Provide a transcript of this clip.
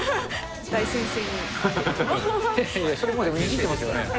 それ、いじってますよね？